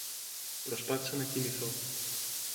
Προσπάθησα να κοιμηθώ